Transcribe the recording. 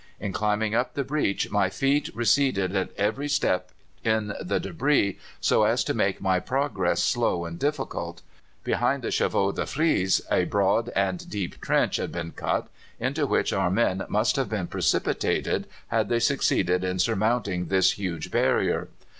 In climbing up the breach my feet receded at every step in the débris, so as to make my progress slow and difficult. Behind the chevaux de frise a broad and deep trench had been cut, into which our men must have been precipitated had they succeeded in surmounting this huge barrier.